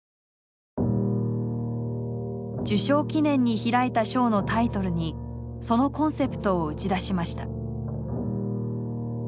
受賞記念に開いたショーのタイトルにそのコンセプトを打ち出しました。